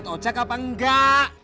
ojek apa enggak